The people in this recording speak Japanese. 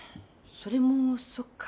それもそっか。